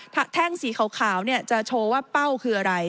แท่งสีขาวจะโชว์ว่าเป้าคืออะไร